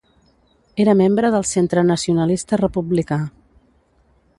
Era membre del Centre Nacionalista Republicà.